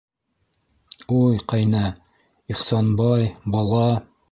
Уй, ҡәйнә, Ихсанбай... бала...